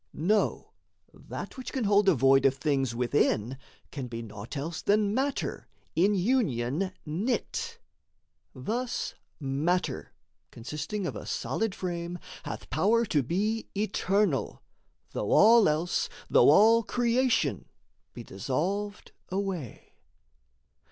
Know, That which can hold a void of things within Can be naught else than matter in union knit. Thus matter, consisting of a solid frame, Hath power to be eternal, though all else, Though all creation, be dissolved away.